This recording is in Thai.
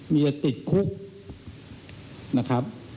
มีจะติดคุก